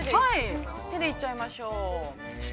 ◆手でいっちゃいましょう。